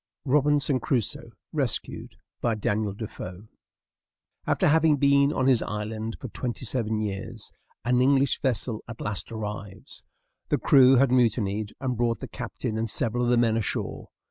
ROBINSON CRUSOE RESCUED By Daniel Defoe [After having been on his island for twenty seven years, an English vessel at last arrives. The crew had mutinied, and brought the captain and several of the men ashore.